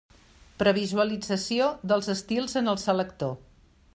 Previsualització dels estils en el selector.